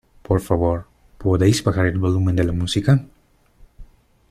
Por favor, ¿podéis bajar el volumen de la música?